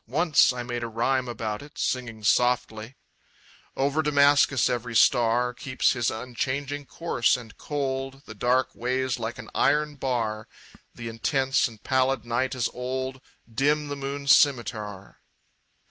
Once I made a rhyme about it, singing softly: Over Damascus every star Keeps his unchanging course and cold, The dark weighs like an iron bar, The intense and pallid night is old, Dim the moon's scimitar.